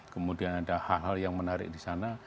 kemudian ada hal hal yang menarik disana